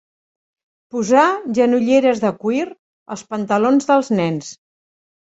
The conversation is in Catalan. Posar genolleres de cuir als pantalons dels nens.